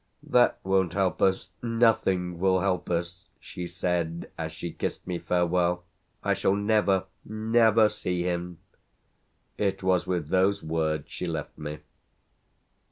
"That won't help us. Nothing will help us!" she said as she kissed me farewell. "I shall never, never see him!" It was with those words she left me.